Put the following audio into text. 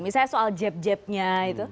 misalnya soal jeb jebnya itu